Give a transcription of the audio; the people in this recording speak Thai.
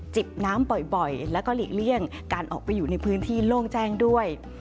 จิบน้ำบ่อยแล้วก็หลีกเลี่ยงการออกไปอยู่ในพื้นที่โล่งแจ้งด้วย